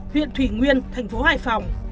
huyện thủy nguyên thành phố hải phòng